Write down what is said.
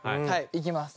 いきます。